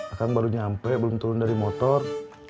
akan baru nyampe belum turun dari motor